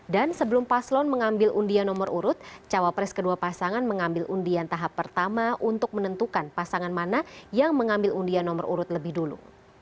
dan sebelum paslon mengambil undian nomor urut cawapres kedua pasangan mengambil undian tahap pertama untuk menentukan pasangan mana yang mengambil undian nomor urut lebih dulu